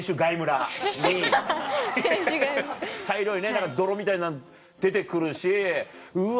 茶色いね泥みたいなの出て来るしうわ